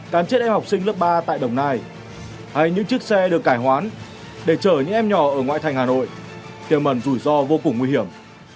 cán chết em học sinh lớp ba tại đồng nai hay những chiếc xe được cải hoán để chở những em nhỏ ở ngoại thành hà nội tiềm mẩn rủi ro vô cùng nguy hiểm